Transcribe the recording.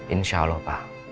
insya allah pak